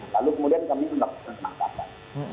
lalu kemudian kami melakukan penangkapan